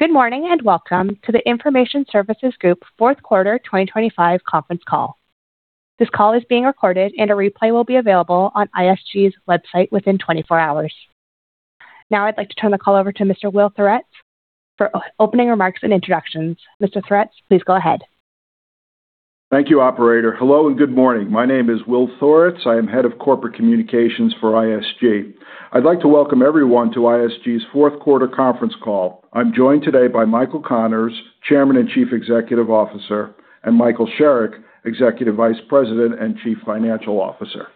Good morning, welcome to the Information Services Group fourth quarter 2025 conference call. This call is being recorded and a replay will be available on ISG's website within 24 hours. I'd like to turn the call over to Mr. Will Thoretz for opening remarks and introductions. Mr. Thoretz, please go ahead. Thank you, operator. Hello, and good morning. My name is Will Thoretz. I am Head of Corporate Communications for ISG. I'd like to welcome everyone to ISG's fourth quarter conference call. I'm joined today by Michael Connors, Chairman and Chief Executive Officer, and Michael Sherrick, Executive Vice President and Chief Financial Officer.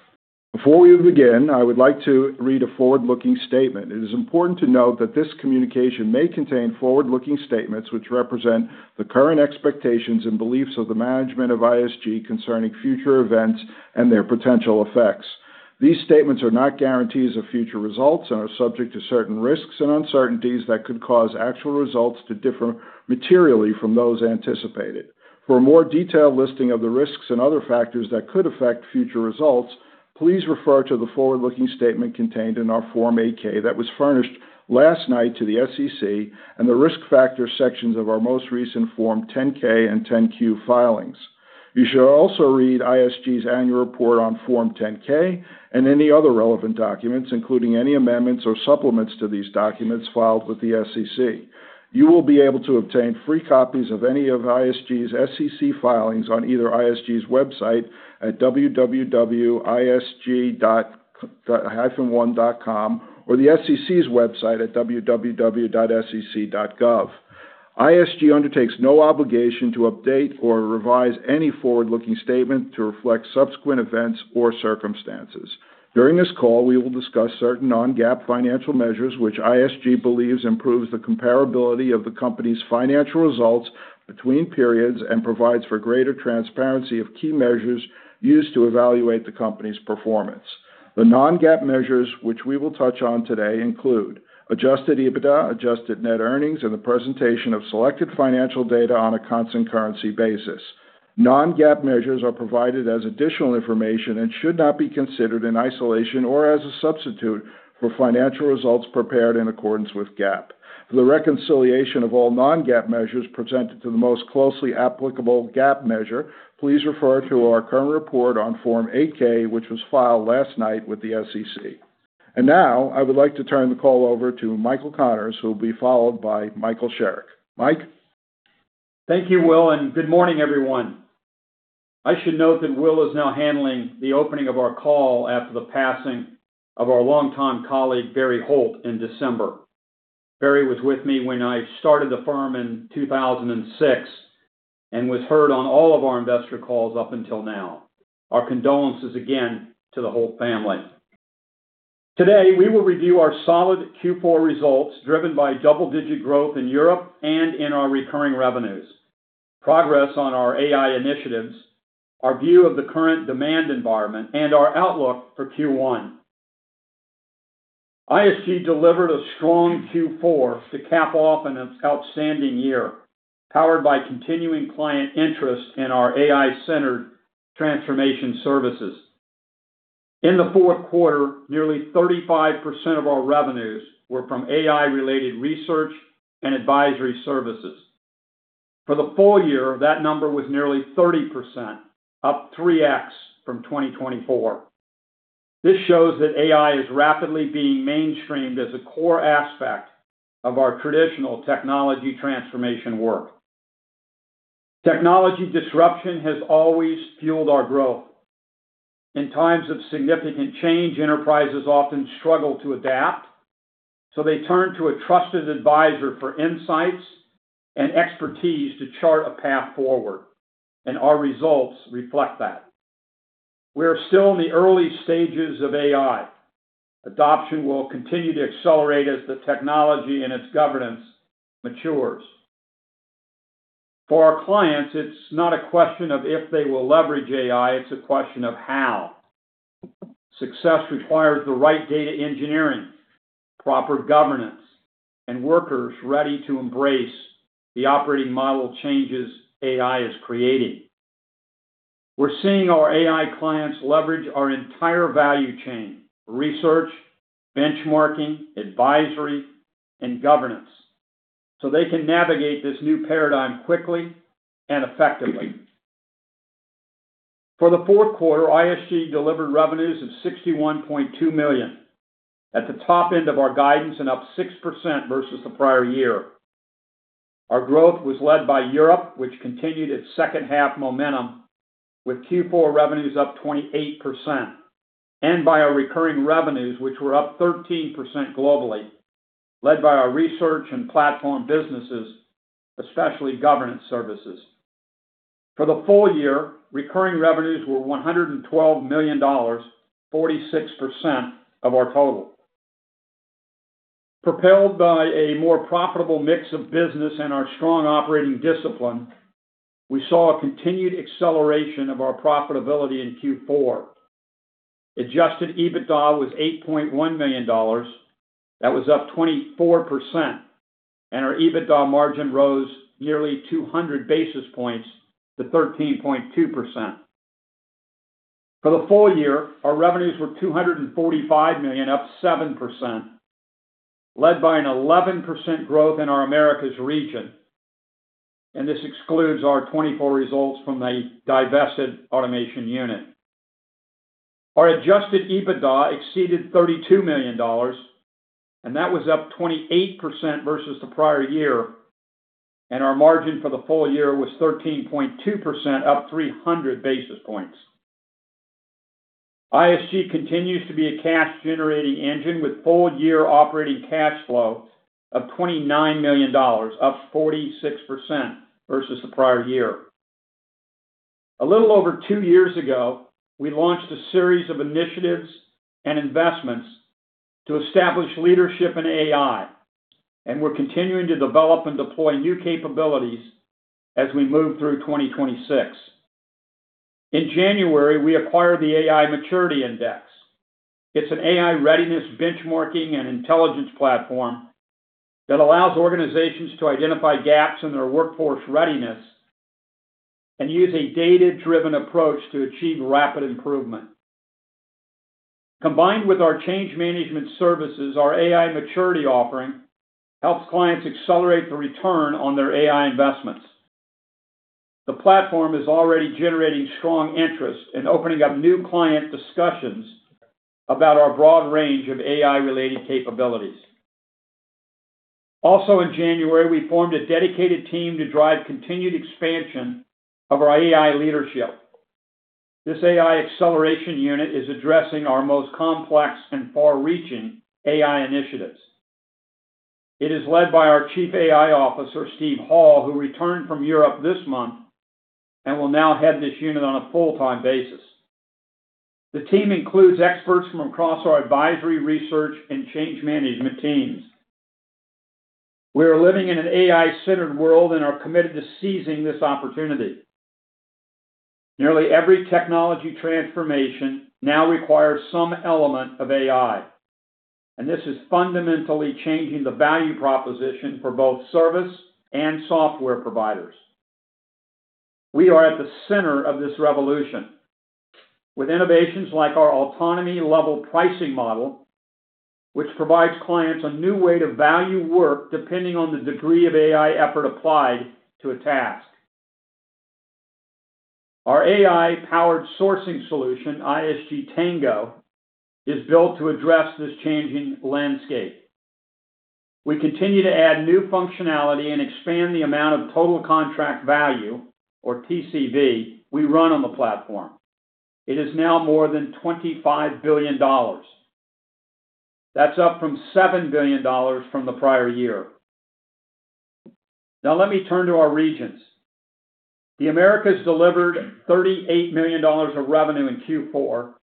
Before we begin, I would like to read a forward-looking statement. It is important to note that this communication may contain forward-looking statements which represent the current expectations and beliefs of the management of ISG concerning future events and their potential effects. These statements are not guarantees of future results and are subject to certain risks and uncertainties that could cause actual results to differ materially from those anticipated. For a more detailed listing of the risks and other factors that could affect future results, please refer to the forward-looking statement contained in our Form 8-K that was furnished last night to the SEC and the Risk Factors sections of our most recent Form 10-K and 10-Q filings. You should also read ISG's annual report on Form 10-K and any other relevant documents, including any amendments or supplements to these documents filed with the SEC. You will be able to obtain free copies of any of ISG's SEC filings on either ISG's website at www.isg-one.com or the SEC's website at www.sec.gov. ISG undertakes no obligation to update or revise any forward-looking statement to reflect subsequent events or circumstances. During this call, we will discuss certain non-GAAP financial measures which ISG believes improves the comparability of the company's financial results between periods and provides for greater transparency of key measures used to evaluate the company's performance. The non-GAAP measures which we will touch on today include adjusted EBITDA, adjusted net earnings, and the presentation of selected financial data on a constant currency basis. Non-GAAP measures are provided as additional information and should not be considered in isolation or as a substitute for financial results prepared in accordance with GAAP. For the reconciliation of all non-GAAP measures presented to the most closely applicable GAAP measure, please refer to our current report on Form 8-K which was filed last night with the SEC. Now I would like to turn the call over to Michael Connors who will be followed by Michael Sherrick. Mike? Thank you, Will. Good morning, everyone. I should note that Will is now handling the opening of our call after the passing of our longtime colleague, Barry Holt, in December. Barry was with me when I started the firm in 2006 and was heard on all of our investor calls up until now. Our condolences again to the whole family. Today, we will review our solid Q4 results driven by double-digit growth in Europe and in our recurring revenues, progress on our AI initiatives, our view of the current demand environment, and our outlook for Q1. ISG delivered a strong Q4 to cap off an outstanding year, powered by continuing client interest in our AI-centered transformation services. In the fourth quarter, nearly 35% of our revenues were from AI-related Research and Advisory services. For the full year, that number was nearly 30%, up 3x from 2024. This shows that AI is rapidly being mainstreamed as a core aspect of our traditional technology transformation work. Technology disruption has always fueled our growth. In times of significant change, enterprises often struggle to adapt, so they turn to a trusted advisor for insights and expertise to chart a path forward, and our results reflect that. We are still in the early stages of AI. Adoption will continue to accelerate as the technology and its governance matures. For our clients, it's not a question of if they will leverage AI. It's a question of how. Success requires the right data engineering, proper governance, and workers ready to embrace the operating model changes AI is creating. We're seeing our AI clients leverage our entire value chain, Research, benchmarking, Advisory, and governance. They can navigate this new paradigm quickly and effectively. For the fourth quarter, ISG delivered revenues of $61.2 million, at the top end of our guidance and up 6% versus the prior year. Our growth was led by Europe, which continued its second half momentum with Q4 revenues up 28%, and by our recurring revenues, which were up 13% globally, led by our Research and platform businesses, especially governance services. For the full year, recurring revenues were $112 million, 46% of our total. Propelled by a more profitable mix of business and our strong operating discipline, we saw a continued acceleration of our profitability in Q4. Adjusted EBITDA was $8.1 million. That was up 24%, and our EBITDA margin rose nearly 200 basis points to 13.2%. For the full year, our revenues were $245 million, up 7%, led by an 11% growth in our Americas region. This excludes our 2024 results from the divested automation unit. Our adjusted EBITDA exceeded $32 million, and that was up 28% versus the prior year, and our margin for the full year was 13.2%, up 300 basis points. ISG continues to be a cash-generating engine with full-year operating cash flow of $29 million, up 46% versus the prior year. A little over two years ago, we launched a series of initiatives and investments to establish leadership in AI, and we're continuing to develop and deploy new capabilities as we move through 2026. In January, we acquired the AI Maturity Index. It's an AI readiness benchmarking and intelligence platform that allows organizations to identify gaps in their workforce readiness and use a data-driven approach to achieve rapid improvement. Combined with our change management services, our AI maturity offering helps clients accelerate the return on their AI investments. The platform is already generating strong interest and opening up new client discussions about our broad range of AI-related capabilities. In January, we formed a dedicated team to drive continued expansion of our AI leadership. This AI Acceleration Unit is addressing our most complex and far-reaching AI initiatives. It is led by our Chief AI Officer, Steve Hall, who returned from Europe this month and will now head this unit on a full-time basis. The team includes experts from across our Advisory, Research and change management teams. We are living in an AI-centered world and are committed to seizing this opportunity. Nearly every technology transformation now requires some element of AI. This is fundamentally changing the value proposition for both service and software providers. We are at the center of this revolution with innovations like our autonomy-level pricing model, which provides clients a new way to value work depending on the degree of AI effort applied to a task. Our AI-powered sourcing solution, ISG Tango, is built to address this changing landscape. We continue to add new functionality and expand the amount of total contract value, or TCV, we run on the platform. It is now more than $25 billion. That's up from $7 billion from the prior year. Let me turn to our regions. The Americas delivered $38 million of revenue in Q4,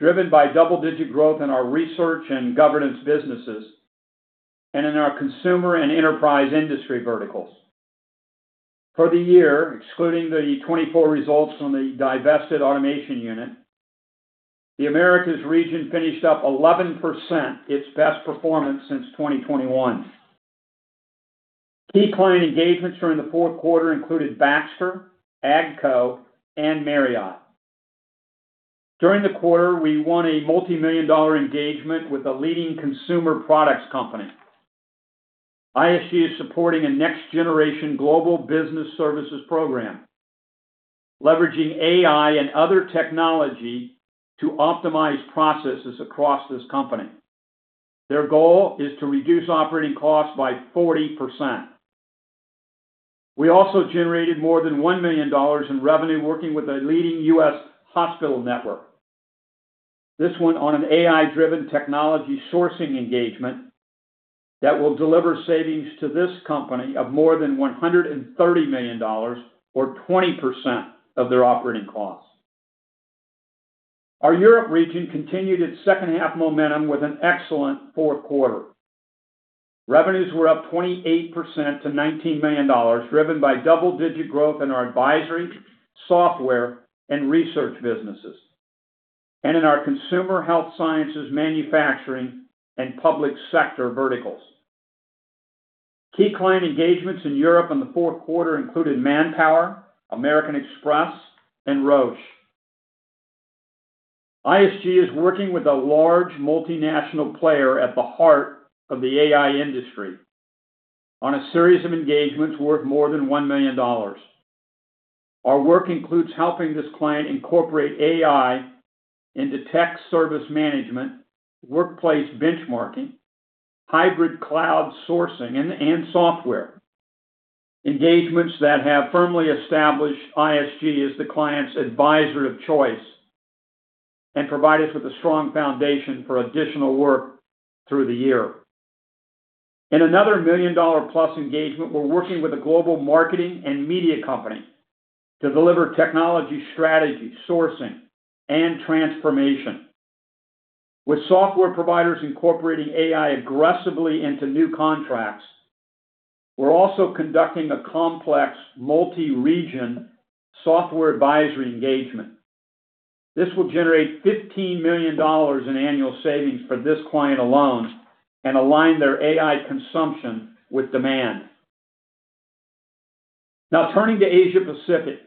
driven by double-digit growth in our Research and governance businesses and in our consumer and enterprise industry verticals. For the year, excluding the 2024 results from the divested automation unit, the Americas region finished up 11%, its best performance since 2021. Key client engagements during the fourth quarter included Baxter, AGCO, and Marriott. During the quarter, we won a multi-million dollar engagement with a leading consumer products company. ISG is supporting a next-generation global business services program, leveraging AI and other technology to optimize processes across this company. Their goal is to reduce operating costs by 40%. We also generated more than $1 million in revenue working with a leading U.S. hospital network. This went on an AI-driven technology sourcing engagement that will deliver savings to this company of more than $130 million or 20% of their operating costs. Our Europe region continued its second-half momentum with an excellent fourth quarter. Revenues were up 28% to $19 million, driven by double-digit growth in our Advisory, Software, and Research businesses, and in our Consumer Health Sciences, Manufacturing, and Public Sector verticals. Key client engagements in Europe in the fourth quarter included Manpower, American Express, and Roche. ISG is working with a large multinational player at the heart of the AI industry on a series of engagements worth more than $1 million. Our work includes helping this client incorporate AI into tech service management, workplace benchmarking, hybrid cloud sourcing, and software, engagements that have firmly established ISG as the client's advisor of choice and provide us with a strong foundation for additional work through the year. In another million-dollar-plus engagement, we're working with a global marketing and media company to deliver technology strategy, sourcing, and transformation. With software providers incorporating AI aggressively into new contracts, we're also conducting a complex multi-region software advisory engagement. This will generate $15 million in annual savings for this client alone and align their AI consumption with demand. Turning to Asia Pacific.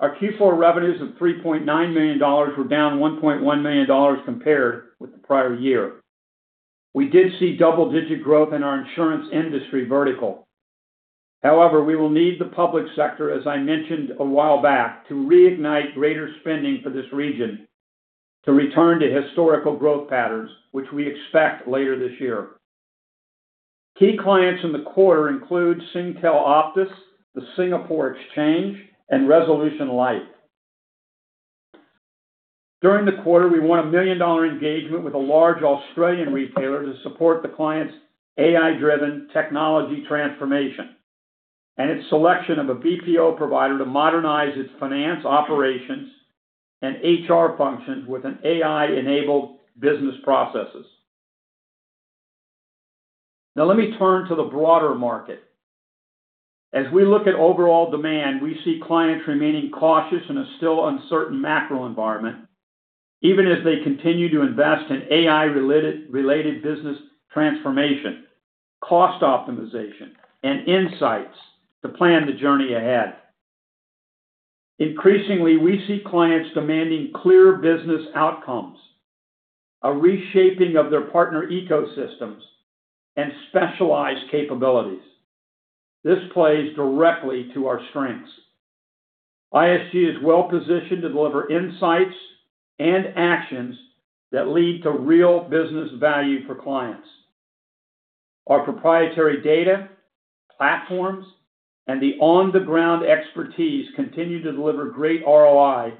Our Q4 revenues of $3.9 million were down $1.1 million compared with the prior year. We did see double-digit growth in our insurance industry vertical. We will need the public sector, as I mentioned a while back, to reignite greater spending for this region to return to historical growth patterns, which we expect later this year. Key clients in the quarter include Singtel Optus, the Singapore Exchange, and Resolution Life. During the quarter, we won a million-dollar engagement with a large Australian retailer to support the client's AI-driven technology transformation and its selection of a BPO provider to modernize its finance operations and HR functions with an AI-enabled business processes. Let me turn to the broader market. As we look at overall demand, we see clients remaining cautious in a still uncertain macro environment, even as they continue to invest in AI-related business transformation, cost optimization, and insights to plan the journey ahead. Increasingly, we see clients demanding clear business outcomes, a reshaping of their partner ecosystems, and specialized capabilities. This plays directly to our strengths. ISG is well-positioned to deliver insights and actions that lead to real business value for clients. Our proprietary data, platforms, and the on-the-ground expertise continue to deliver great ROI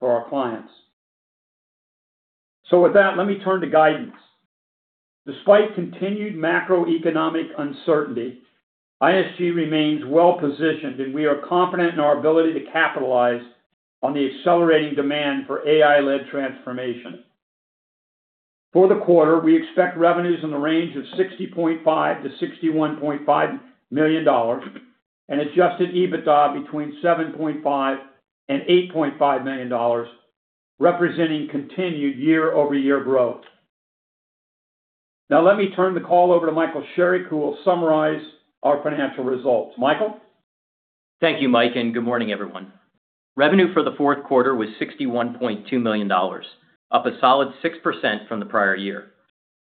for our clients. With that, let me turn to guidance. Despite continued macroeconomic uncertainty, ISG remains well-positioned, and we are confident in our ability to capitalize on the accelerating demand for AI-led transformation. For the quarter, we expect revenues in the range of $60.5 million-$61.5 million and adjusted EBITDA between $7.5 million and $8.5 million, representing continued year-over-year growth. Now let me turn the call over to Michael Sherrick, who will summarize our financial results. Michael? Thank you, Mike. Good morning, everyone. Revenue for the fourth quarter was $61.2 million, up a solid 6% from the prior year.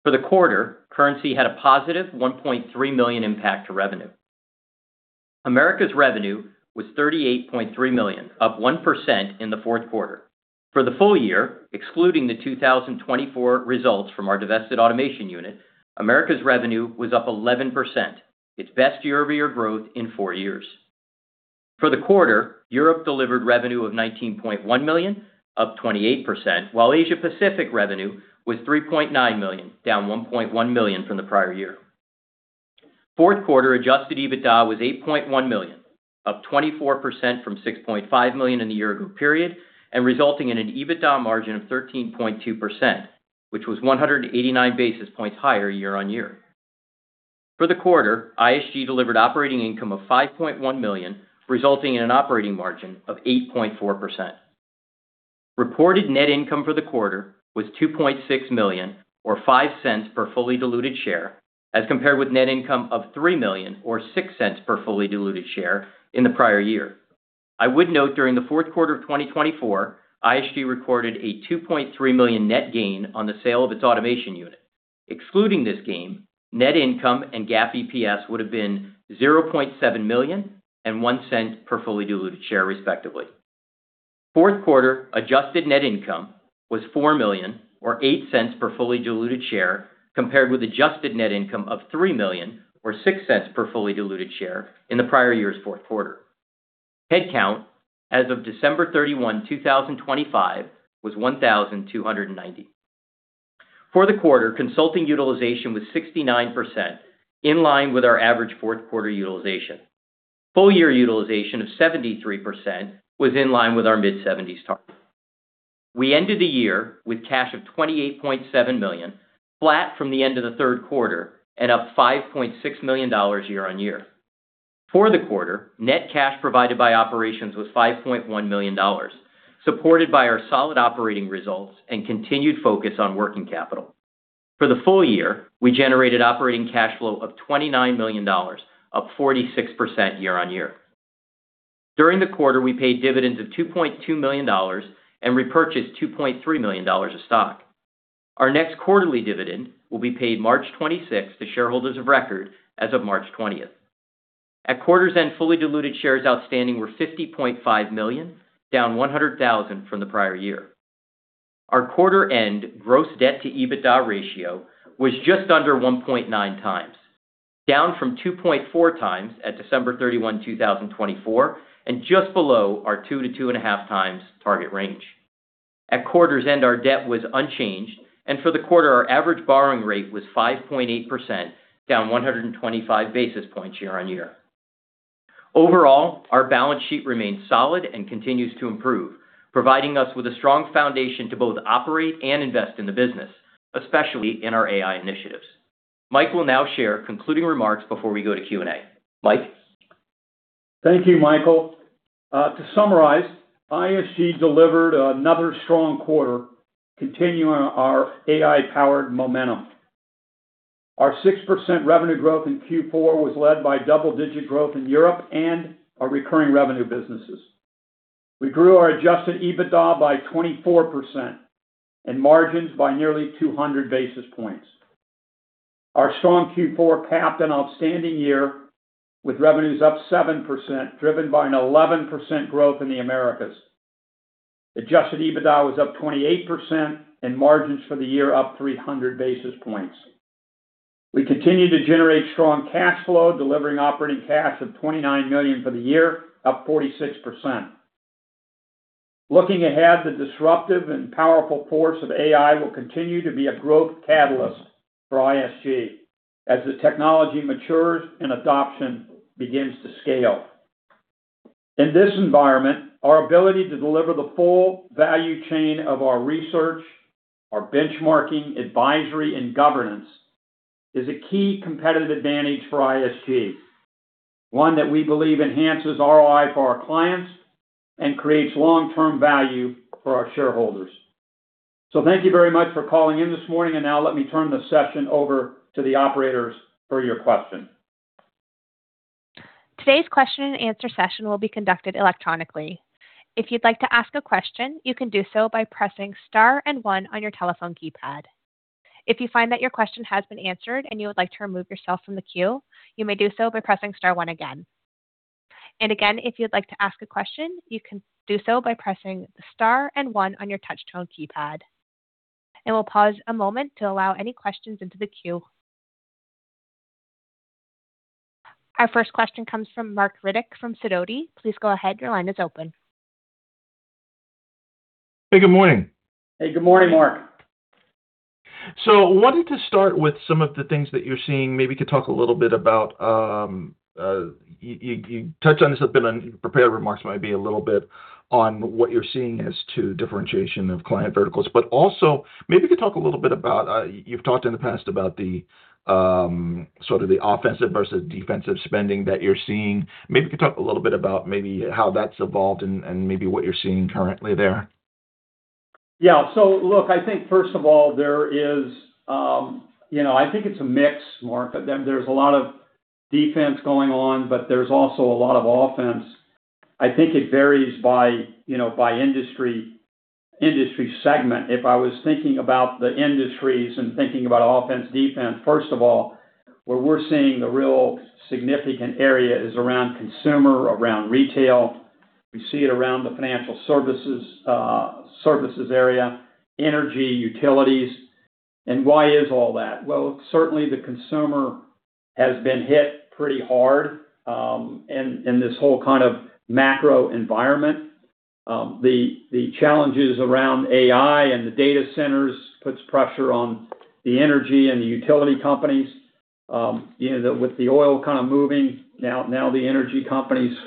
For the quarter, currency had a positive $1.3 million impact to revenue. Americas revenue was $38.3 million, up 1% in the fourth quarter. For the full year, excluding the 2024 results from our divested automation unit, Americas revenue was up 11%, its best year-over-year growth in four years. For the quarter, Europe delivered revenue of $19.1 million, up 28%, while Asia Pacific revenue was $3.9 million, down $1.1 million from the prior year. Fourth quarter adjusted EBITDA was $8.1 million, up 24% from $6.5 million in the year-ago period and resulting in an EBITDA margin of 13.2%, which was 189 basis points higher year-on-year. For the quarter, ISG delivered operating income of $5.1 million, resulting in an operating margin of 8.4%. Reported net income for the quarter was $2.6 million or $0.05 per fully diluted share, as compared with net income of $3 million or $0.06 per fully diluted share in the prior year. I would note during the fourth quarter of 2024, ISG recorded a $2.3 million net gain on the sale of its automation unit. Excluding this gain, net income and GAAP EPS would have been $0.7 million and $0.01 per fully diluted share, respectively. Fourth quarter adjusted net income was $4 million or $0.08 per fully diluted share, compared with adjusted net income of $3 million or $0.06 per fully diluted share in the prior year's fourth quarter. Headcount as of December 31, 2025 was 1,290. For the quarter, consulting utilization was 69% in line with our average fourth quarter utilization. Full year utilization of 73% was in line with our mid-seventies target. We ended the year with cash of $28.7 million, flat from the end of the third quarter and up $5.6 million year-on-year. For the quarter, net cash provided by operations was $5.1 million, supported by our solid operating results and continued focus on working capital. For the full year, we generated operating cash flow of $29 million, up 46% year-on-year. During the quarter, we paid dividends of $2.2 million and repurchased $2.3 million of stock. Our next quarterly dividend will be paid March 26 to shareholders of record as of March 20th. At quarter's end, fully diluted shares outstanding were 50.5 million, down 100,000 from the prior year. Our quarter end gross debt to EBITDA ratio was just under 1.9x, down from 2.4x at December 31, 2024, and just below our 2x-2.5x times target range. At quarter's end, our debt was unchanged, and for the quarter, our average borrowing rate was 5.8%, down 125 basis points year-on-year. Overall, our balance sheet remains solid and continues to improve, providing us with a strong foundation to both operate and invest in the business, especially in our AI initiatives. Mike will now share concluding remarks before we go to Q&A. Mike? Thank you, Michael. To summarize, ISG delivered another strong quarter continuing our AI-powered momentum. Our 6% revenue growth in Q4 was led by double-digit growth in Europe and our recurring revenue businesses. We grew our adjusted EBITDA by 24% and margins by nearly 200 basis points. Our strong Q4 capped an outstanding year with revenues up 7%, driven by an 11% growth in the Americas. Adjusted EBITDA was up 28% and margins for the year up 300 basis points. We continued to generate strong cash flow, delivering operating cash of $29 million for the year, up 46%. Looking ahead, the disruptive and powerful force of AI will continue to be a growth catalyst for ISG as the technology matures and adoption begins to scale. In this environment, our ability to deliver the full value chain of our Research, our benchmarking, Advisory, and governance is a key competitive advantage for ISG, one that we believe enhances ROI for our clients and creates long-term value for our shareholders. Thank you very much for calling in this morning, and now let me turn the session over to the operators for your questions. Today's question and answer session will be conducted electronically. If you'd like to ask a question, you can do so by pressing star and one on your telephone keypad. If you find that your question has been answered and you would like to remove yourself from the queue, you may do so by pressing star one again. Again, if you'd like to ask a question, you can do so by pressing star and one on your touch-tone keypad. We'll pause a moment to allow any questions into the queue. Our first question comes from Marc Riddick from Sidoti. Please go ahead. Your line is open. Hey, good morning. Hey, good morning, Marc. Wanted to start with some of the things that you're seeing. Maybe you could talk a little bit about, you touched on this a bit in your prepared remarks, maybe a little bit on what you're seeing as to differentiation of client verticals. Also maybe you could talk a little bit about, you've talked in the past about the, sort of the offensive versus defensive spending that you're seeing. Maybe you could talk a little bit about maybe how that's evolved and maybe what you're seeing currently there. Yeah. Look, I think first of all, there is, you know, I think it's a mix, Marc. There's a lot of defense going on, but there's also a lot of offense. I think it varies by, you know, by industry segment. If I was thinking about the industries and thinking about offense, defense, first of all, where we're seeing the real significant area is around consumer, around retail. We see it around the financial services area, energy, utilities. Why is all that? Well certainly the consumer has been hit pretty hard, in this whole kind of macro environment. The challenges around AI and the data centers puts pressure on the energy and the utility companies. You know, with the oil kind of moving, now the energy companies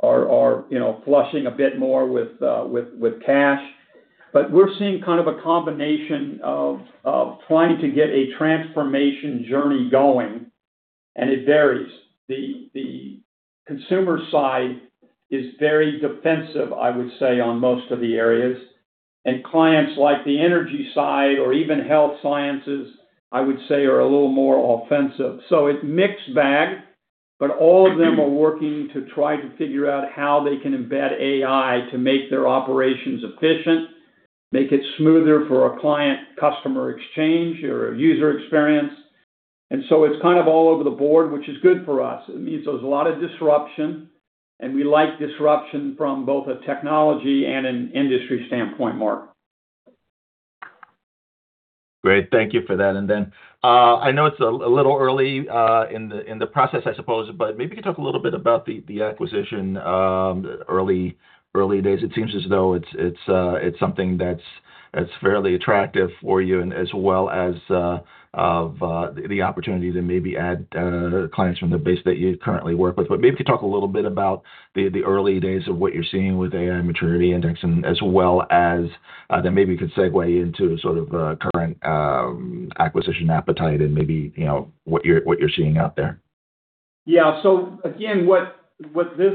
are, you know, flushing a bit more with cash. We're seeing kind of a combination of trying to get a transformation journey going, and it varies. The consumer side is very defensive, I would say, on most of the areas. Clients like the energy side or even health sciences, I would say, are a little more offensive. It's mixed bag, but all of them are working to try to figure out how they can embed AI to make their operations efficient, make it smoother for a client-customer exchange or a user experience. It's kind of all over the board, which is good for us. It means there's a lot of disruption, and we like disruption from both a technology and an industry standpoint, Marc. Great. Thank you for that. I know it's a little early in the process, I suppose, but maybe you could talk a little bit about the acquisition, early days. It seems as though it's something that's fairly attractive for you and as well as the opportunity to maybe add clients from the base that you currently work with. Maybe you could talk a little bit about the early days of what you're seeing with AI Maturity Index and as well as then maybe you could segue into sort of current acquisition appetite and maybe, you know, what you're, what you're seeing out there. Yeah. Again, what this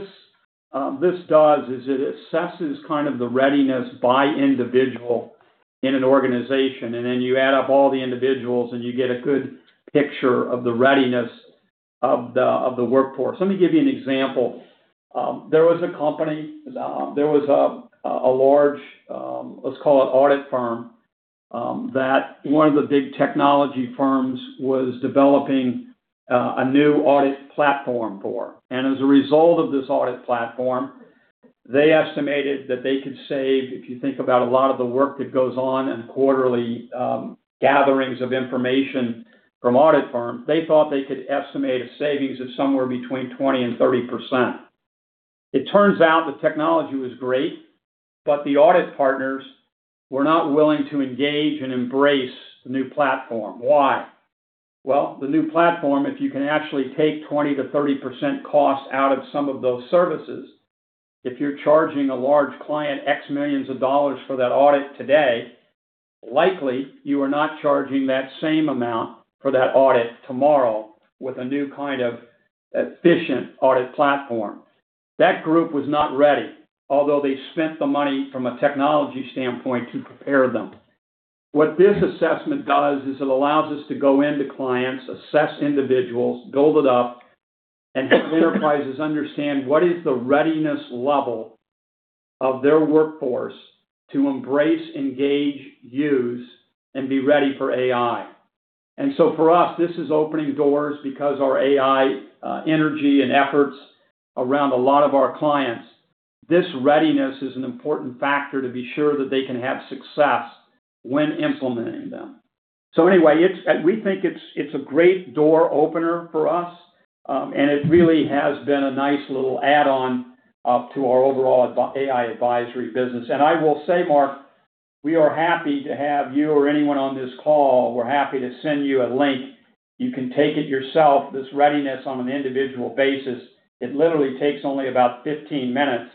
does is it assesses kind of the readiness by individual in an organization, and then you add up all the individuals, and you get a good picture of the readiness of the workforce. Let me give you an example. There was a company, there was a large, let's call it audit firm, that one of the big technology firms was developing a new audit platform for. As a result of this audit platform, they estimated that they could save, if you think about a lot of the work that goes on in quarterly gatherings of information from audit firms, they thought they could estimate a savings of somewhere between 20% and 30%. It turns out the technology was great, the audit partners were not willing to engage and embrace the new platform. Why? Well, the new platform, if you can actually take 20% to 30% cost out of some of those services, if you're charging a large client X millions of dollars for that audit today, likely you are not charging that same amount for that audit tomorrow with a new kind of efficient audit platform. That group was not ready, although they spent the money from a technology standpoint to prepare them. What this assessment does is it allows us to go into clients, assess individuals, build it up, and help enterprises understand what is the readiness level of their workforce to embrace, engage, use, and be ready for AI. For us, this is opening doors because our AI energy and efforts around a lot of our clients, this readiness is an important factor to be sure that they can have success when implementing them. We think it's a great door opener for us, and it really has been a nice little add-on to our overall AI Advisory business. I will say, Marc, we are happy to have you or anyone on this call, we're happy to send you a link. You can take it yourself, this readiness on an individual basis. It literally takes only about 15 minutes.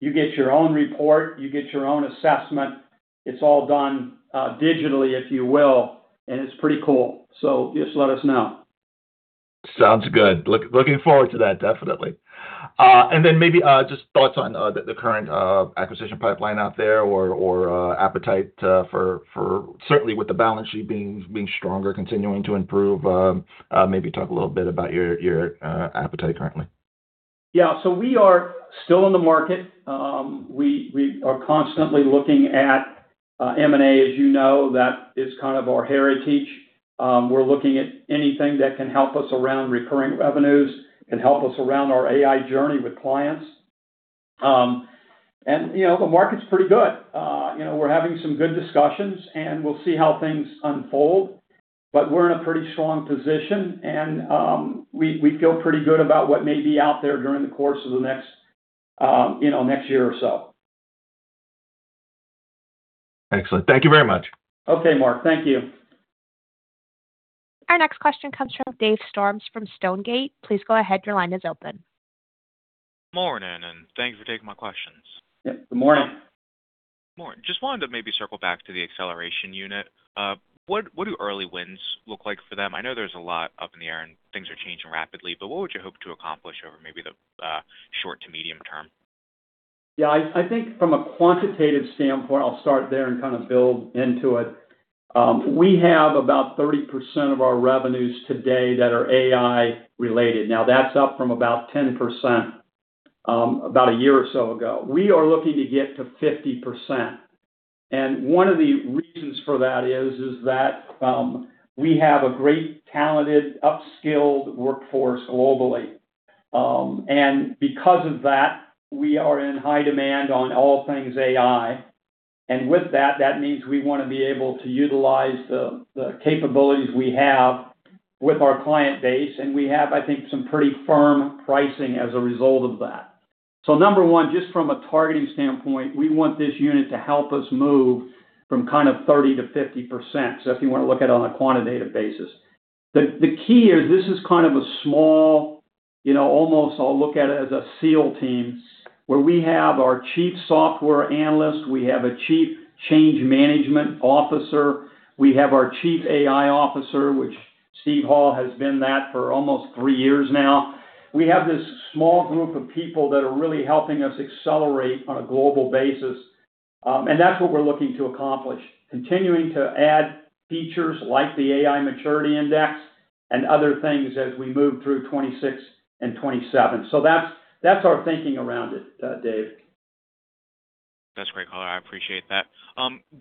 You get your own report, you get your own assessment. It's all done digitally, if you will, and it's pretty cool. Just let us know. Sounds good. Looking forward to that, definitely. Maybe just thoughts on the current acquisition pipeline out there or appetite for certainly with the balance sheet being stronger, continuing to improve. Maybe talk a little bit about your appetite currently. Yeah. We are still in the market. We are constantly looking at M&A. As you know, that is kind of our heritage. We're looking at anything that can help us around recurring revenues and help us around our AI journey with clients. You know, the market's pretty good. You know, we're having some good discussions, and we'll see how things unfold. We're in a pretty strong position and we feel pretty good about what may be out there during the course of the next, you know, next year or so. Excellent. Thank you very much. Okay, Marc. Thank you. Our next question comes from Dave Storms from Stonegate. Please go ahead. Your line is open. Morning. Thanks for taking my questions. Yep. Good morning. Morning. Just wanted to maybe circle back to the AI Acceleration Unit. What do early wins look like for them? I know there's a lot up in the air, and things are changing rapidly, but what would you hope to accomplish over maybe the short to medium term? Yeah. I think from a quantitative standpoint, I'll start there and kinda build into it. We have about 30% of our revenues today that are AI-related. That's up from about 10%, about a year or so ago. We are looking to get to 50%. One of the reasons for that is that, we have a great, talented, upskilled workforce globally. Because of that, we are in high demand on all things AI. With that means we wanna be able to utilize the capabilities we have with our client base, and we have, I think, some pretty firm pricing as a result of that. Number one, just from a targeting standpoint, we want this unit to help us move from kind of 30%-50%. If you wanna look at it on a quantitative basis. The key is this is kind of a small, you know, almost I'll look at it as a seal team, where we have our Chief Software Analyst, we have a Chief Change Management Officer, we have our Chief AI Officer, which Steve Hall has been that for almost three years now. We have this small group of people that are really helping us accelerate on a global basis, that's what we're looking to accomplish, continuing to add features like the AI Maturity Index and other things as we move through 2026 and 2027. That's our thinking around it, Dave. That's great color. I appreciate that.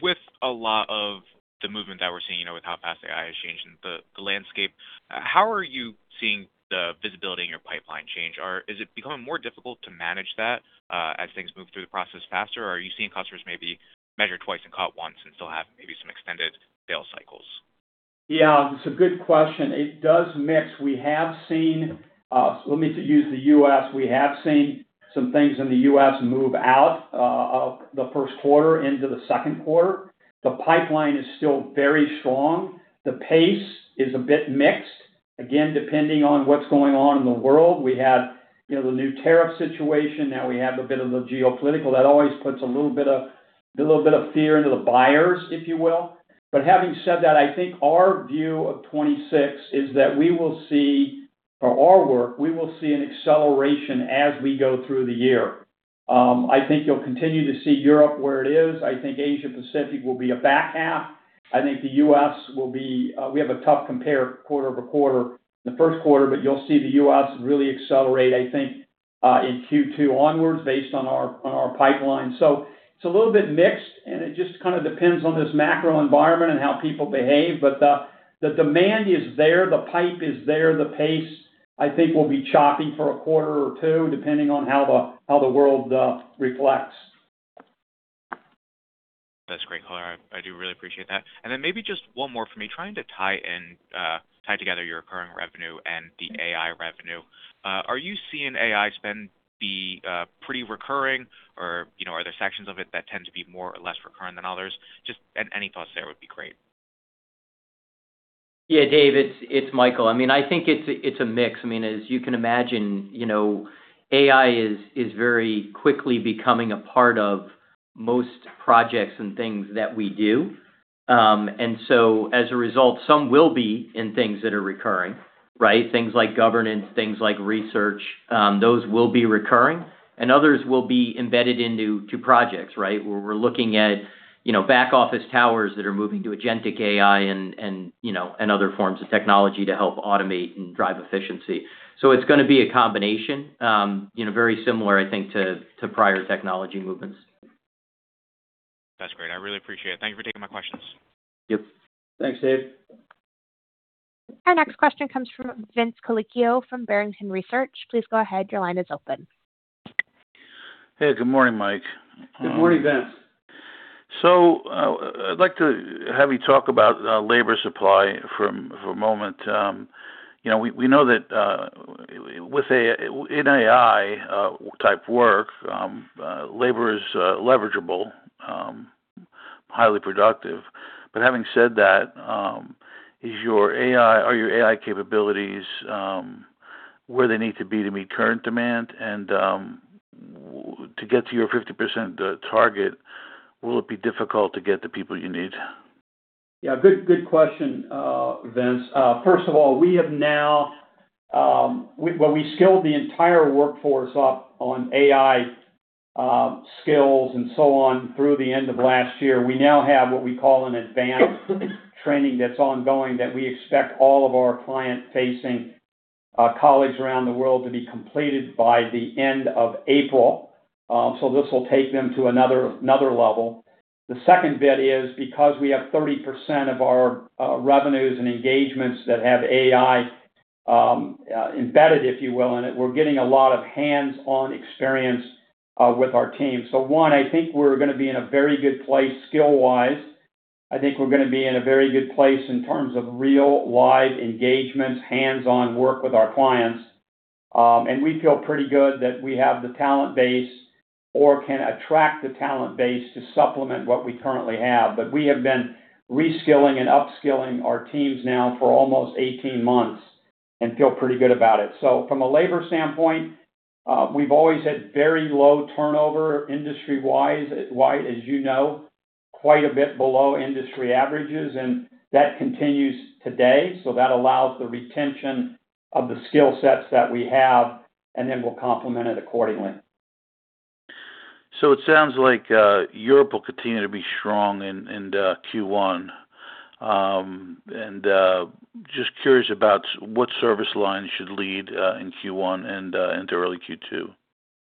With a lot of the movement that we're seeing, you know, with how fast AI is changing the landscape, how are you seeing the visibility in your pipeline change? Or is it becoming more difficult to manage that, as things move through the process faster? Or are you seeing customers maybe measure twice and cut once and still have maybe some extended sales cycles? Yeah. It's a good question. It does mix. We have seen, let me use the U.S. We have seen some things in the U.S. move out of the first quarter into the second quarter. The pipeline is still very strong. The pace is a bit mixed. Again, depending on what's going on in the world. We had, you know, the new tariff situation, now we have a bit of the geopolitical. That always puts a little bit of fear into the buyers, if you will. Having said that, I think our view of 2026 is that we will see an acceleration as we go through the year. I think you'll continue to see Europe where it is. I think Asia Pacific will be a back half. I think the U.S. will be, we have a tough compare quarter-over-quarter in the first quarter, you'll see the U.S. really accelerate, I think, in Q2 onwards based on our, on our pipeline. It's a little bit mixed, and it just kinda depends on this macro environment and how people behave. The demand is there, the pipe is there. The pace, I think, will be choppy for a quarter or two, depending on how the, how the world, reflects. That's great color. I do really appreciate that. Then maybe just one more for me. Trying to tie in, tie together your recurring revenue and the AI revenue. Are you seeing AI spend be pretty recurring or, you know, are there sections of it that tend to be more or less recurring than others? Just any thoughts there would be great. Yeah, Dave, it's Michael. I mean, I think it's a, it's a mix. I mean, as you can imagine, you know, AI is very quickly becoming a part of most projects and things that we do. As a result, some will be in things that are recurring, right? Things like governance, things like research, those will be recurring, and others will be embedded into, to projects, right? Where we're looking at, you know, back office towers that are moving to agentic AI and, you know, and other forms of technology to help automate and drive efficiency. It's gonna be a combination, you know, very similar, I think to prior technology movements. That's great. I really appreciate it. Thank you for taking my questions. Yep. Thanks, Dave. Our next question comes from Vince Colicchio from Barrington Research. Please go ahead. Your line is open. Hey, good morning, Mike. Good morning, Vince. I'd like to have you talk about labor supply for a moment. You know, we know that with AI type work, labor is leveragable, highly productive. Having said that, are your AI capabilities where they need to be to meet current demand and to get to your 50% target, will it be difficult to get the people you need? Good, good question, Vince. First of all, we have now, well, we scaled the entire workforce up on AI skills and so on through the end of last year. We now have what we call an advanced training that's ongoing that we expect all of our client-facing colleagues around the world to be completed by the end of April. This will take them to another level. The second bit is because we have 30% of our revenues and engagements that have AI embedded, if you will, in it, we're getting a lot of hands-on experience with our team. One, I think we're gonna be in a very good place skill-wise. I think we're gonna be in a very good place in terms of real live engagements, hands-on work with our clients. We feel pretty good that we have the talent base or can attract the talent base to supplement what we currently have. We have been reskilling and upskilling our teams now for almost 18 months and feel pretty good about it. From a labor standpoint, we've always had very low turnover industry-wise, as you know, quite a bit below industry averages, and that continues today. That allows the retention of the skill sets that we have, and then we'll complement it accordingly. It sounds like Europe will continue to be strong in Q1. Just curious about what service lines should lead in Q1 and into early Q2.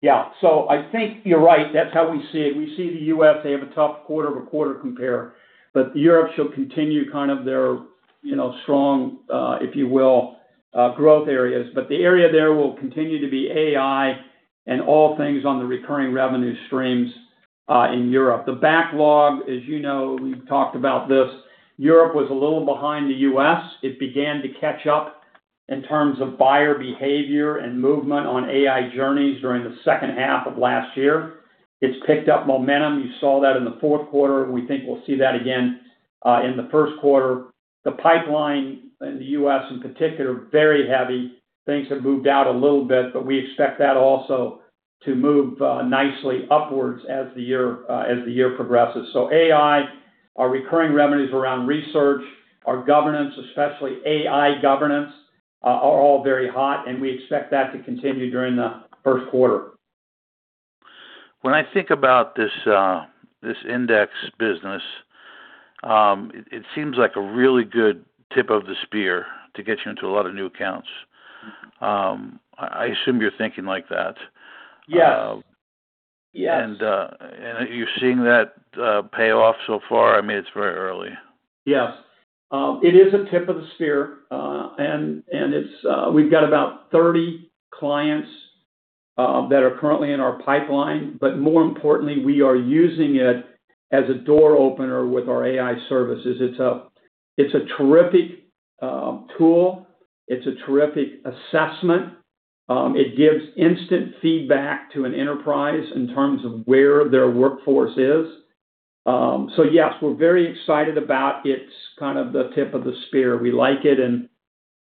Yeah. I think you're right. That's how we see it. We see the U.S., they have a tough quarter-over-quarter compare, Europe shall continue kind of their, you know, strong, if you will, growth areas. The area there will continue to be AI and all things on the recurring revenue streams, in Europe. The backlog, as you know, we've talked about this, Europe was a little behind the U.S. It began to catch up in terms of buyer behavior and movement on AI journeys during the second half of last year. It's picked up momentum. You saw that in the fourth quarter. We think we'll see that again, in the first quarter. The pipeline in the U.S. in particular, very heavy. Things have moved out a little bit, but we expect that also to move nicely upwards as the year progresses. AI, our recurring revenues around research, our governance, especially AI governance are all very hot, and we expect that to continue during the first quarter. When I think about this index business, it seems like a really good tip of the spear to get you into a lot of new accounts. I assume you're thinking like that. Yes. Yes. Are you seeing that pay off so far? I mean, it's very early. Yes. We've got about 30 clients that are currently in our pipeline, but more importantly, we are using it as a door opener with our AI services. It's a terrific tool. It's a terrific assessment. It gives instant feedback to an enterprise in terms of where their workforce is. Yes, we're very excited about it. It's kind of the tip of the spear. We like it, and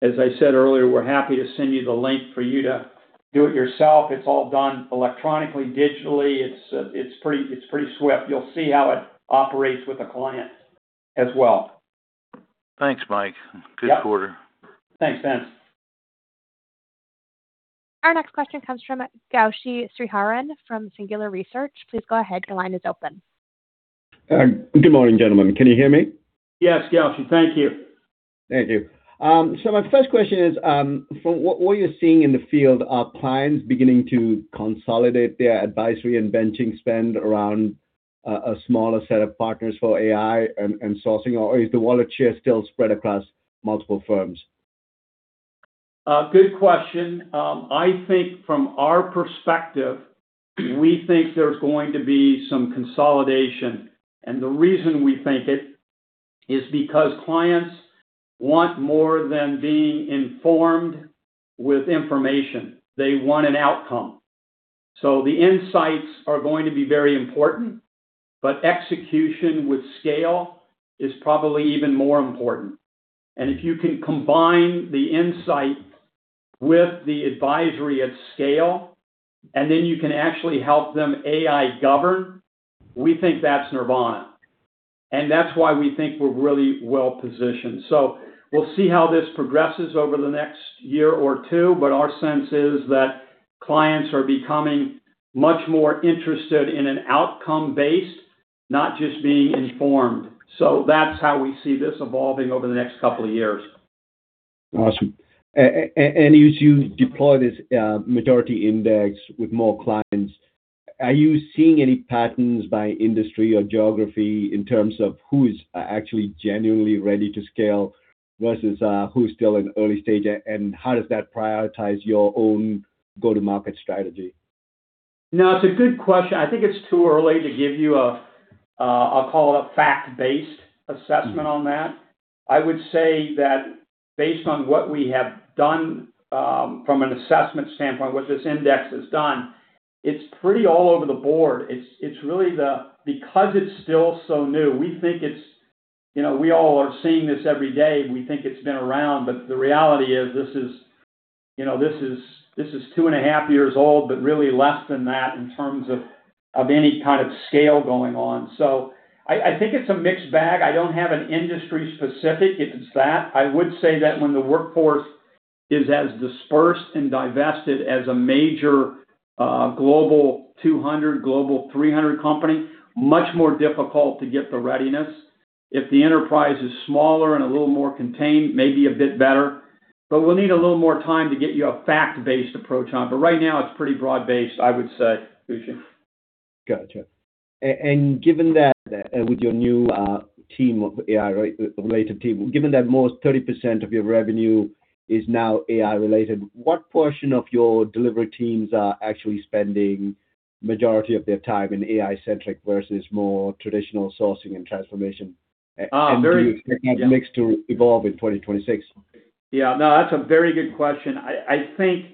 as I said earlier, we're happy to send you the link for you to do it yourself. It's all done electronically, digitally. It's pretty swift. You'll see how it operates with a client as well. Thanks, Mike. Yeah. Good quarter. Thanks, Vince. Our next question comes from Gowshi Sriharan from Singular Research. Please go ahead. Your line is open. Good morning, gentlemen. Can you hear me? Yes, Gowshi. Thank you. Thank you. My first question is, from what you're seeing in the field, are clients beginning to consolidate their advisory and benching spend around a smaller set of partners for AI and sourcing, or is the wallet share still spread across multiple firms? Good question. I think from our perspective, we think there's going to be some consolidation. The reason we think it is because clients want more than being informed with information. They want an outcome. The insights are going to be very important, but execution with scale is probably even more important. If you can combine the insight with the advisory at scale, and then you can actually help them AI govern, we think that's nirvana. That's why we think we're really well-positioned. We'll see how this progresses over the next year or two, but our sense is that clients are becoming much more interested in an outcome-based, not just being informed. That's how we see this evolving over the next couple of years. Awesome. As you deploy this, maturity index with more clients, are you seeing any patterns by industry or geography in terms of who is actually genuinely ready to scale versus, who's still in early stage? How does that prioritize your own go-to-market strategy? No, it's a good question. I think it's too early to give you a, I'll call it a fact-based assessment on that. I would say that based on what we have done, from an assessment standpoint, what this index has done, it's pretty all over the board. It's really because it's still so new, we think it's, you know, we all are seeing this every day, and we think it's been around, but the reality is this is, you know, this is, this is two and a half years old, but really less than that in terms of any kind of scale going on. I think it's a mixed bag. I don't have an industry specific. It's that. I would say that when the workforce is as dispersed and divested as a major, global 200, global 300 company, much more difficult to get the readiness. If the enterprise is smaller and a little more contained, maybe a bit better. We'll need a little more time to get you a fact-based approach on. Right now, it's pretty broad-based, I would say, Gowshi. Gotcha. Given that with your new team of AI, right, related team, given that most 30% of your revenue is now AI-related, what portion of your delivery teams are actually spending majority of their time in AI-centric versus more traditional sourcing and transformation? Ah, very- Do you expect that mix to evolve in 2026? Yeah, no, that's a very good question. I think,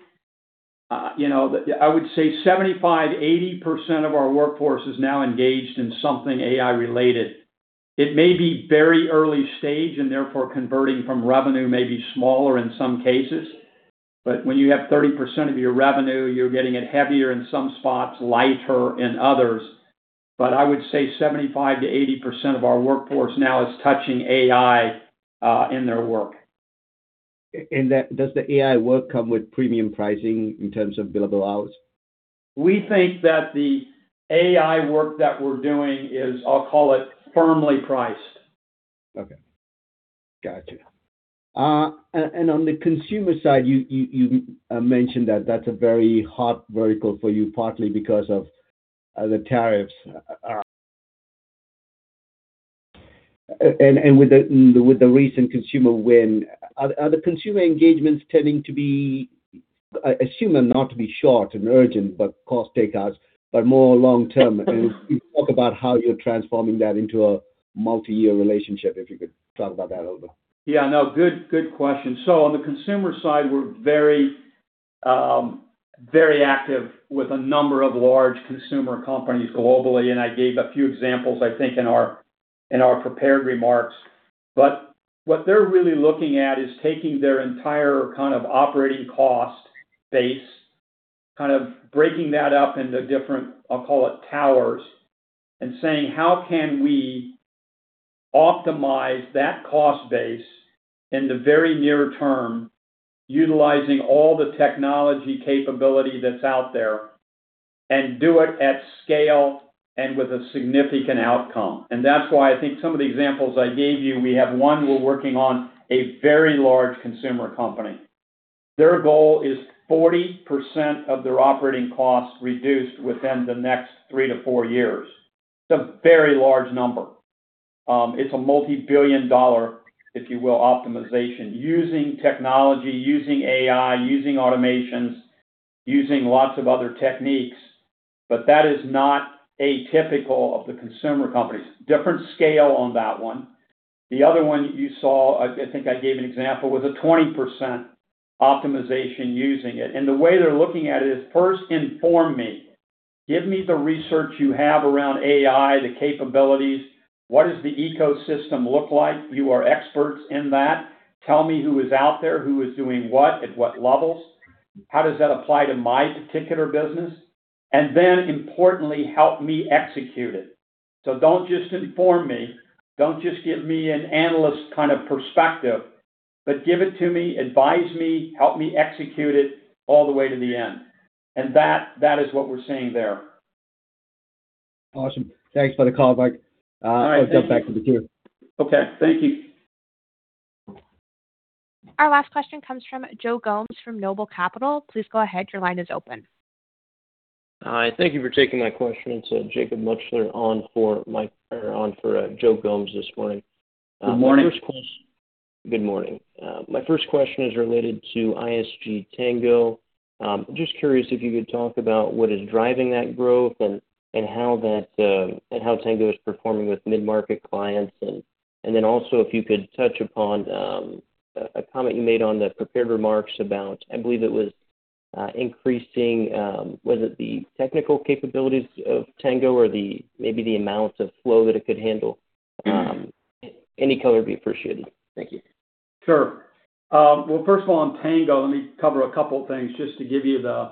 you know, I would say 75%-80% of our workforce is now engaged in something AI-related. It may be very early stage, and therefore converting from revenue may be smaller in some cases. When you have 30% of your revenue, you're getting it heavier in some spots, lighter in others. I would say 75%-80% of our workforce now is touching AI in their work. That, does the AI work come with premium pricing in terms of billable hours? We think that the AI work that we're doing is, I'll call it, firmly priced. Okay. Gotcha. On the consumer side, you mentioned that that's a very hot vertical for you, partly because of the tariffs. With the recent consumer win, are the consumer engagements tending to be, I assume them not to be short and urgent, but cost take-outs, but more long-term? Can you talk about how you're transforming that into a multi-year relationship, if you could talk about that a little bit. Yeah. No. Good, good question. On the consumer side, we're very, very active with a number of large consumer companies globally, and I gave a few examples, I think, in our, in our prepared remarks. What they're really looking at is taking their entire kind of operating cost base, kind of breaking that up into different, I'll call it, towers, and saying, "How can we optimize that cost base in the very near term utilizing all the technology capability that's out there and do it at scale and with a significant outcome?" That's why I think some of the examples I gave you, we have one we're working on a very large consumer company. Their goal is 40% of their operating costs reduced within the next three to four years. It's a very large number. It's a multi-billion dollar, if you will, optimization using technology, using AI, using automations, using lots of other techniques. That is not atypical of the consumer companies. Different scale on that one. The other one you saw, I think I gave an example, was a 20% optimization using it. The way they're looking at it is, first inform me. Give me the research you have around AI, the capabilities. What does the ecosystem look like? You are experts in that. Tell me who is out there, who is doing what at what levels. How does that apply to my particular business? Then importantly, help me execute it. Don't just inform me, don't just give me an analyst kind of perspective, but give it to me, advise me, help me execute it all the way to the end. That is what we're seeing there. Awesome. Thanks for the call back. All right. Thank you. I'll jump back to the queue. Okay. Thank you. Our last question comes from Joe Gomes from Noble Capital. Please go ahead. Your line is open. Hi. Thank you for taking my question. It's Jacob Mutchler on for Joe Gomes this morning. Good morning. Good morning. My first question is related to ISG Tango. Just curious if you could talk about what is driving that growth and how Tango is performing with mid-market clients. Then also if you could touch upon a comment you made on the prepared remarks about, I believe it was increasing whether it be technical capabilities of Tango or maybe the amount of flow that it could handle. Any color would be appreciated. Thank you. Sure. Well, first of all, on ISG Tango, let me cover a couple of things just to give you the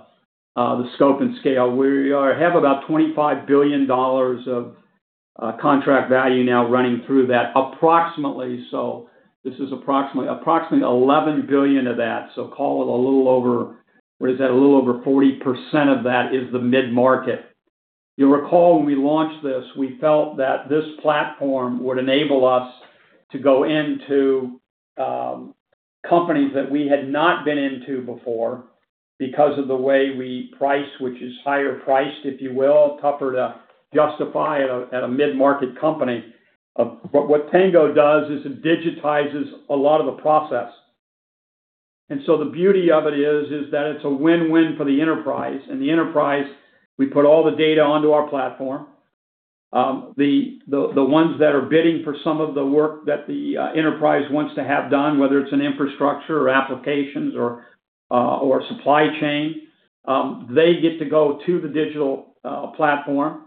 scope and scale. We have about $25 billion of contract value now running through that, approximately so. This is $11 billion of that, so call it a little over, what is that? A little over 40% of that is the mid-market. You'll recall, when we launched this, we felt that this platform would enable us to go into companies that we had not been into before because of the way we price, which is higher priced, if you will, tougher to justify at a mid-market company. What ISG Tango does is it digitizes a lot of the process. The beauty of it is that it's a win-win for the enterprise, and the enterprise, we put all the data onto our platform. The, the ones that are bidding for some of the work that the enterprise wants to have done, whether it's in infrastructure or applications or supply chain, they get to go to the digital platform.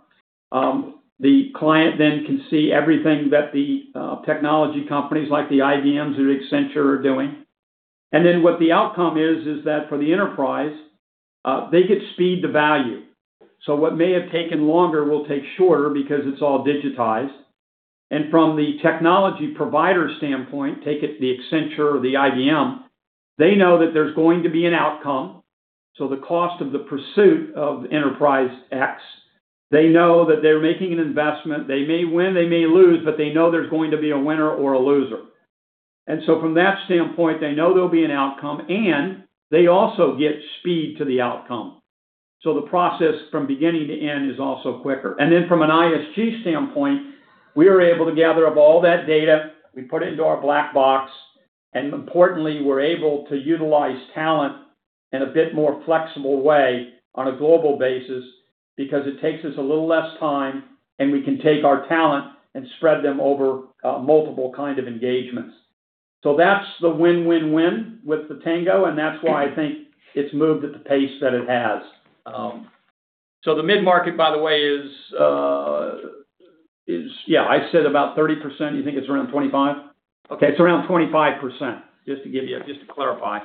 The client then can see everything that the technology companies like the IBM or the Accenture are doing. What the outcome is that for the enterprise, they get speed to value. What may have taken longer will take shorter because it's all digitized. From the technology provider standpoint, take it the Accenture or the IBM, they know that there's going to be an outcome. The cost of the pursuit of enterprise X, they know that they're making an investment. They may win, they may lose, they know there's going to be a winner or a loser. From that standpoint, they know there'll be an outcome, and they also get speed to the outcome. The process from beginning to end is also quicker. From an ISG standpoint, we are able to gather up all that data, we put it into our black box, and importantly, we're able to utilize talent in a bit more flexible way on a global basis because it takes us a little less time, and we can take our talent and spread them over multiple kind of engagements. That's the win-win-win with the Tango, and that's why I think it's moved at the pace that it has. The mid-market, by the way, is. Yeah, I said about 30%. You think it's around 25? Okay, it's around 25%, just to clarify.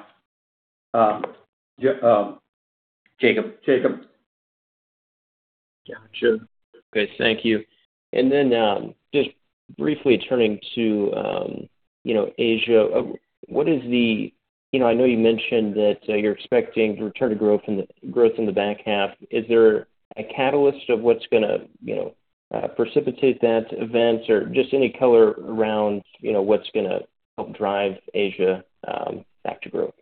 Jacob. Gotcha. Okay, thank you. Just briefly turning to, you know, Asia. You know, I know you mentioned that you're expecting to return to growth in the back half. Is there a catalyst of what's gonna, you know, precipitate that event or just any color around, you know, what's gonna help drive Asia back to growth?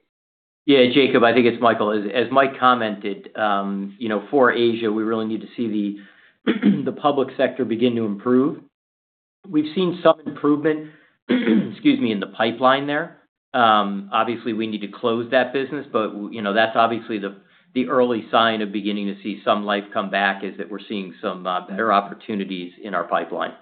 Yeah, Jacob, I think it's Michael. As Mike commented, you know, for Asia, we really need to see the public sector begin to improve. We've seen some improvement, excuse me, in the pipeline there. Obviously, we need to close that business, but, you know, that's obviously the early sign of beginning to see some life come back, is that we're seeing some better opportunities in our pipeline.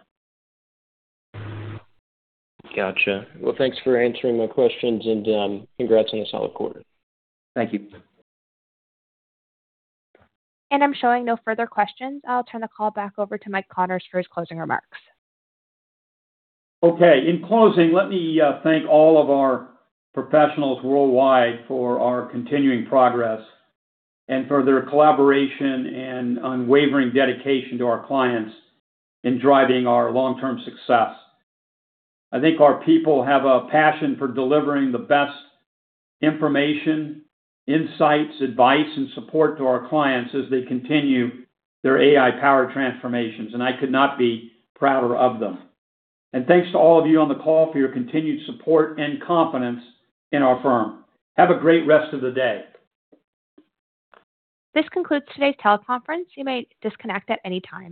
Gotcha. Well, thanks for answering my questions, and congrats on a solid quarter. Thank you. I'm showing no further questions. I'll turn the call back over to Mike Connors for his closing remarks. Okay. In closing, let me thank all of our professionals worldwide for our continuing progress and for their collaboration and unwavering dedication to our clients in driving our long-term success. I think our people have a passion for delivering the best information, insights, advice, and support to our clients as they continue their AI power transformations. I could not be prouder of them. Thanks to all of you on the call for your continued support and confidence in our firm. Have a great rest of the day. This concludes today's teleconference. You may disconnect at any time.